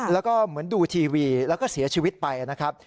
แล้วก็เหมือนดูทีวีแล้วก็เสียชีวิตไปนะครับ